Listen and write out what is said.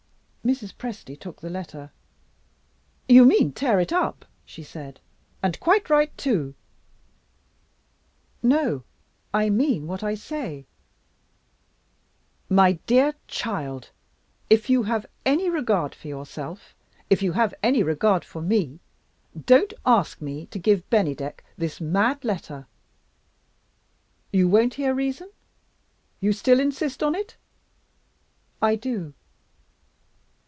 Mrs. Presty took the letter. "You mean, tear it up," she said, "and quite right, too." "No; I mean what I say." "My dear child, if you have any regard for yourself, if you have any regard for me, don't ask me to give Bennydeck this mad letter! You won't hear reason? You still insist on it?" "I do."